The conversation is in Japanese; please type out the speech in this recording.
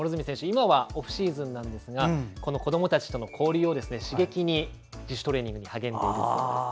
今はオフシーズンなんですが子どもたちとの交流を刺激に自主トレーニングに励んでいるそうです。